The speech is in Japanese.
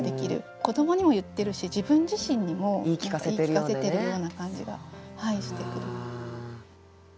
子どもにも言ってるし自分自身にも言い聞かせてるような感じがしてくる。